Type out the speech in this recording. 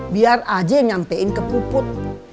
biar aja nyampein ke puput